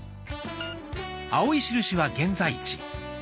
青い印は現在地。